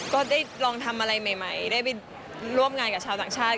ก็ได้ลองทำอะไรใหม่ได้ไปร่วมงานกับชาวต่างชาติ